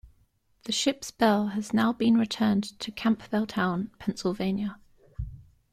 The ship's bell has now been returned to Campbelltown, Pennsylvania.